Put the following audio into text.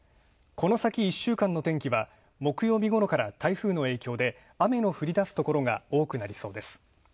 この先１週間の天気は、木曜日ごろから台風の影響で雨の降り出すところが多くなりそうです。